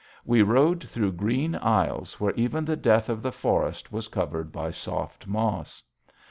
We rode through green aisles where even the death of the forest was covered by soft moss.